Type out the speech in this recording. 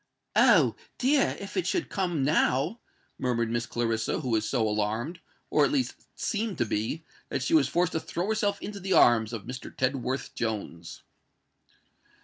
"Oh! dear, if it should come now!" murmured Miss Clarissa, who was so alarmed—or at least seemed to be—that she was forced to throw herself into the arms of Mr. Tedworth Jones.